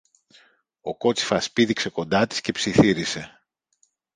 Ο κότσυφας πήδηξε κοντά της και ψιθύρισε